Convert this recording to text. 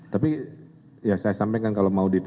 tapi saya sampaikan kalau mau dites nanti